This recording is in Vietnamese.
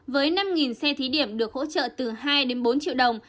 với năm xe thí điểm được hỗ trợ từ hai đến bốn triệu đồng